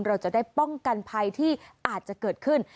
เราจะได้ป้องกันภัยที่อาจจะเกิดขึ้น